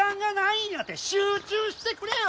集中してくれよ！